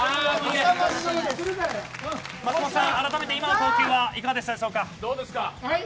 あらためて今の投球いかがでしたでしょうか。